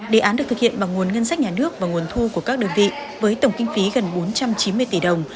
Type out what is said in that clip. đề án được thực hiện bằng nguồn ngân sách nhà nước và nguồn thu của các đơn vị với tổng kinh phí gần bốn trăm chín mươi tỷ đồng